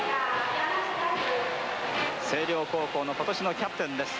星稜高校の今年のキャプテンです。